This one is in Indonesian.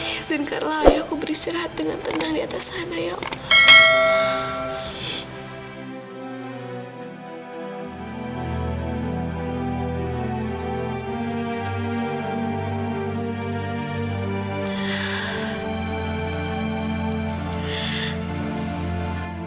izinkanlah ayahku beristirahat dengan tenang di atas sana ya allah